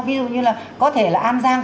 ví dụ như là có thể là an giang